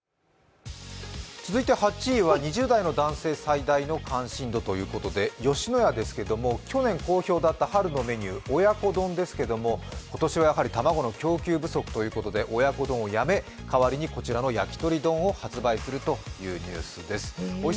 続いて位は２０代男性の関心が高かったニュース、吉野家ですけど、去年好評だった春のメニュー親子丼ですけれども、今年はやはり卵の供給不足ということで親子丼をやめ、代わりにこの焼き鳥丼を発売するというニュースです。